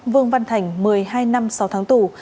vương văn thành một mươi hai năm sáu tháng tù